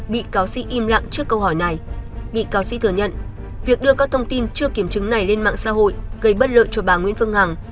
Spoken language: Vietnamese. bị cáo sĩ im lặng trước câu hỏi này bị cáo sĩ thừa nhận việc đưa các thông tin chưa kiểm chứng này lên mạng xã hội gây bất lợi cho bà nguyễn phương hằng